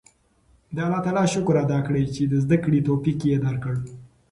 د الله تعالی شکر ادا کړئ چې د زده کړې توفیق یې درکړ.